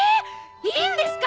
いいんですか？